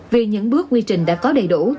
vì những bước quy trình đã có đầy đủ